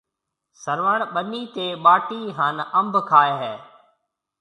سروڻ ٻنِي تي ٻاٽِي هانَ انڀ کائي هيَ۔